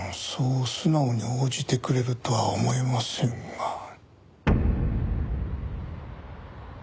そう素直に応じてくれるとは思いませんが。